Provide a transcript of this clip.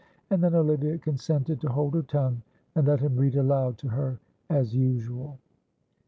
And then Olivia consented to hold her tongue and let him read aloud to her as usual.